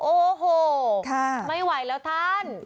โอ้โหไม่ไหวแล้วท่าน